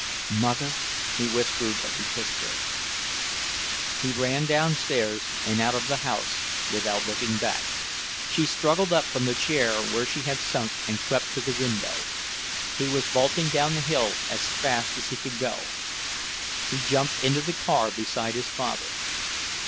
"Mother!" he whispered as he kissed her. He ran downstairs and out of the house without looking back. She struggled up from the chair where she had sunk and crept to the window; he was vaulting down the hill as fast as he could go. He jumped into the car beside his father.